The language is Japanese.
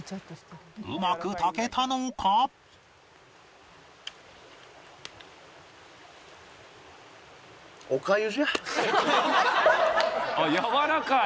うまく炊けたのか？あっやわらかい？